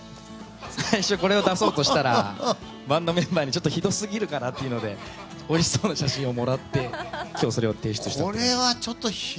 最初、これを出そうとしたらバンドメンバーにちょっとひどすぎるかなというのでおいしそうな写真をもらって今日、それを提出したと。